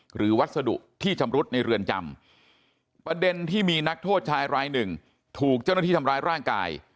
วัสดุที่ชำรุดในเรือนจำประเด็นที่มีนักโทษชายรายหนึ่งถูกเจ้าหน้าที่ทำร้ายร่างกาย